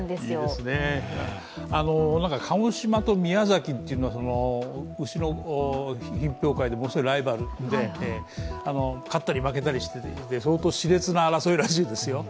鹿児島と宮崎は牛の品評会でものすごいライバルで、買ったり負けたり、相当しれつな争いらしいですよ。